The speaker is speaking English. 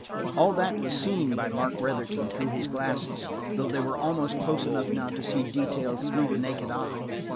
All that was seen by Mark Retherton through his glasses, though they were almost close enough now to see details through the naked eye.